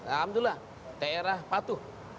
alhamdulillah daerah patuh